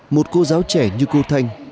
một cô giáo trẻ như cô thanh